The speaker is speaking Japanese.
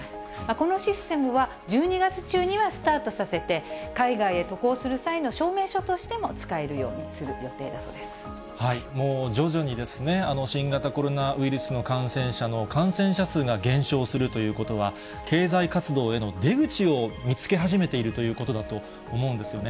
このシステムは、１２月中にはスタートさせて、海外へ渡航する際の証明書としても使えるようにする予定だそうでもう徐々にですね、新型コロナウイルスの感染者の感染者数が減少するということは、経済活動への出口を見つけ始めているということだと思うんですよね。